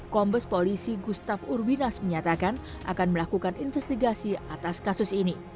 kombes polisi gustaf urbinas menyatakan akan melakukan investigasi atas kasus ini